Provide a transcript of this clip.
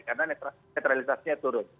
karena netralitasnya turun